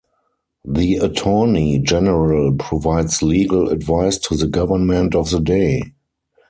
The Attorney General provides legal advice to the Government of the day.